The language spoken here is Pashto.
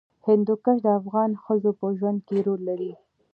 هندوکش د افغان ښځو په ژوند کې رول لري.